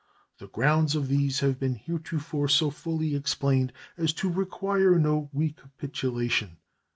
The grounds of these have been heretofore so fully explained as to require no recapitulation.